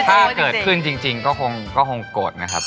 ถ้าเกิดขึ้นจริงก็คงโกรธนะครับ